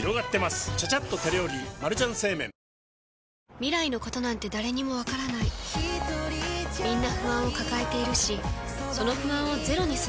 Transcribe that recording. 未来のことなんて誰にもわからないみんな不安を抱えているしその不安をゼロにすることはできないかもしれない